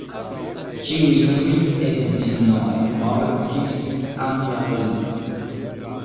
Ĉiuj tri edzinoj mortis antaŭ li.